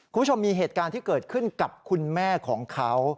คุณผู้ชมมีเหตุการณ์ที่เกิดขึ้นกับคุณแม่ของเขา